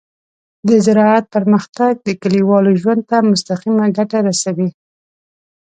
د زراعت پرمختګ د کليوالو ژوند ته مستقیمه ګټه رسوي.